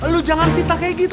lu jangan pitnah kayak gitu